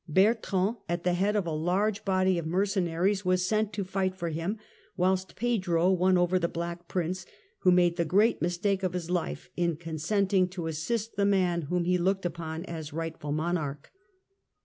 Bertrand, at the head of a large body of mercenaries, was sent to fight for him, whilst Pedro won over the Black Prince, who made the great mistake of his life in consenting to assist the man whom he looked upon as rightful monarch.